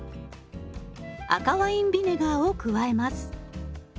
赤ワインビネガーを加えます。